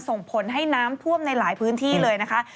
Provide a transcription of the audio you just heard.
ส่งผลให้น้ำท่วมในหลายพื้นที่เลยนะคะ